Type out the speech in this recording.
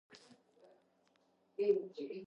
სამეფოს დედაქალაქი რიო-დე-ჟანეირო იყო.